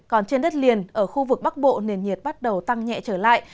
còn trên đất liền ở khu vực bắc bộ nền nhiệt bắt đầu tăng nhẹ trở lại